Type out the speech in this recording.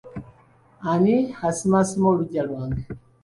Ani asimaasima oluggya lwange?